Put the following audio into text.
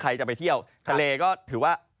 ใครจะไปเที่ยวทะเลก็ถือว่า